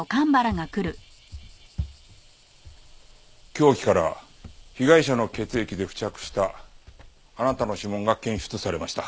凶器から被害者の血液で付着したあなたの指紋が検出されました。